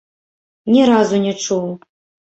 Ні разу не чуў.